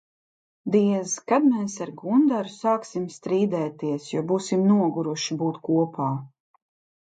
Diez, kad mēs ar Gundaru sāksim strīdēties, jo būsim noguruši būt kopā?